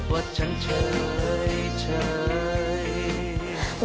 ว่าฉันเฉย